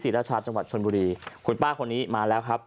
ราชาจังหวัดชนบุรีคุณป้าคนนี้มาแล้วครับ